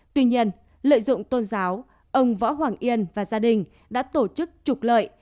tuy nhiên lợi dụng tôn giáo ông võ hoàng yên và gia đình đã tổ chức trục lợi